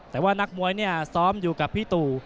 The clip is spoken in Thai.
แต่ว่านักมวยเนี่ยซ้อมอยู่กับพี่ตู่